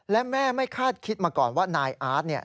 และแม่ไม่คาดคิดมาก่อนว่านายอาร์ต